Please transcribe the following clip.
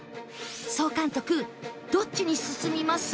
総監督どっちに進みます？